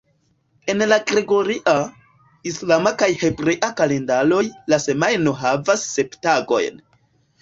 En la gregoria, islama kaj hebrea kalendaroj la semajno havas sep tagojn.